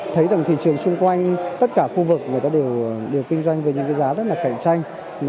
thấy rằng thị trường xung quanh tất cả khu vực người ta đều kinh doanh với những cái giá rất là cạnh tranh